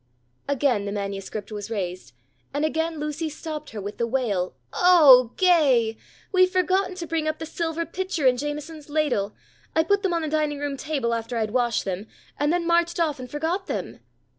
Again the manuscript was raised and again Lucy stopped her with the wail, "Oh, Gay! We've forgotten to bring up the silver pitcher and Jameson's ladle. I put them on the dining room table after I'd washed them, and then marched off and forgot them."